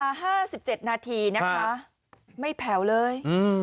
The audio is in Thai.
อ้าวห้าสิบเจ็ดนาทีนะคะครับไม่แผวเลยอือ